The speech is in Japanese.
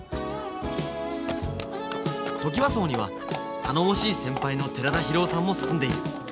トキワ荘には頼もしい先輩の寺田ヒロオさんも住んでいる。